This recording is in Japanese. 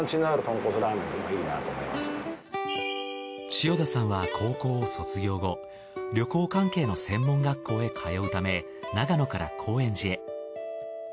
千代田さんは高校を卒業後旅行関係の専門学校へ通うため長野から高円寺へ。